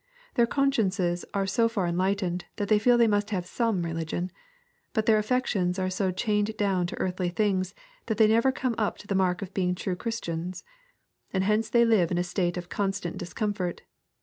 Their consciences are so far enlightened, that they feel they must have some religion. But their affections are so chained down to earthly things, that they never come up to the mark of being true Christians. And hence they live in a state of constant discomfort.